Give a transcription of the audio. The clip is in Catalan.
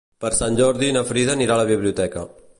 Per Sant Jordi na Frida anirà a la biblioteca.